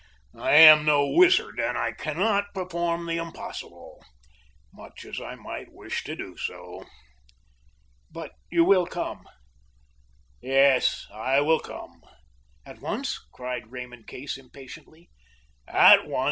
I am no wizard, and I cannot perform the impossible, much as I might wish to do so." "But you will come?" "Yes, I will come." "At once?" cried Raymond Case impatiently. "At once."